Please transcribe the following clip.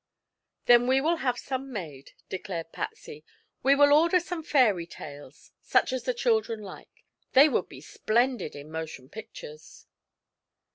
"Then we will have some made," declared Patsy. "We will order some fairy tales, such as the children like. They would be splendid in motion pictures."